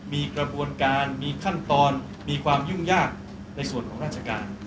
มีกระบวนการมีขั้นตอนมีความยุ่งยากในส่วนของราชการ